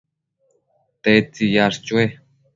¿tedtsi yash chue